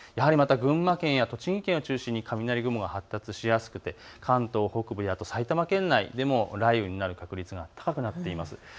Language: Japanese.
群馬県や栃木県を中心に雷雲が発達しやすくて関東北部や埼玉県内でも雷雨になる確率が高くなっています。